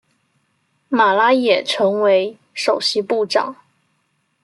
马拉也成为首席部长。